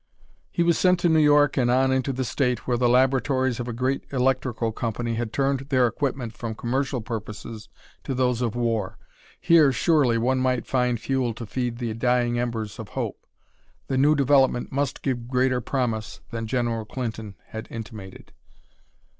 He was sent to New York and on into the state, where the laboratories of a great electrical company had turned their equipment from commercial purposes to those of war. Here, surely, one might find fuel to feed the dying embers of hope; the new development must give greater promise than General Clinton had intimated.